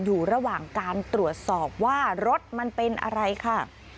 อยู่ระหว่างการตรวจสอบว่ารถมันเป็นอะไรค่ะ